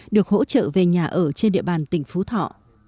được hỗ trợ về nhà ở trên địa bàn tỉnh phú thọ